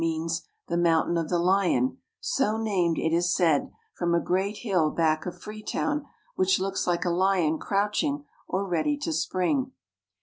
^means the " mountain of the lion," so named, it is said, from a great hill back of Freetown, which looks like a lion crouch ing or ready to spring.